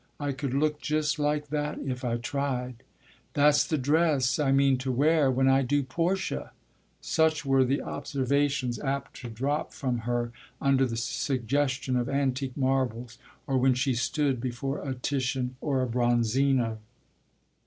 "I could look just like that if I tried." "That's the dress I mean to wear when I do Portia." Such were the observations apt to drop from her under the suggestion of antique marbles or when she stood before a Titian or a Bronzino.